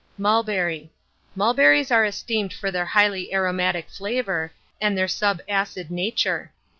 ] MULBERRY. Mulberries are esteemed for their highly aromatic flavour, and their sub acid nature.